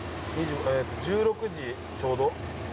えっと１６時ちょうど。